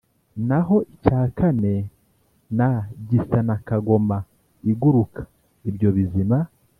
Naho icya kane n gisa na kagoma iguruka ibyo bizima